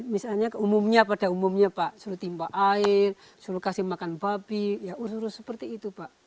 misalnya umumnya pada umumnya pak suruh timpa air suruh kasih makan babi ya urus urus seperti itu pak